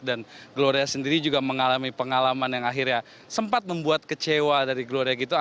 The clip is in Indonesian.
dan gloria sendiri juga mengalami pengalaman yang akhirnya sempat membuat kecewa dari gloria gitu